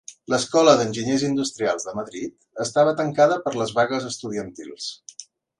L'Escola d'Enginyers Industrials de Madrid estava tancada per les vagues estudiantils.